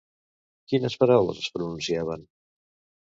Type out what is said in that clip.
Quines paraules es pronunciaven?